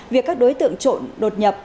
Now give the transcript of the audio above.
việc các đối tượng trộm đột nhập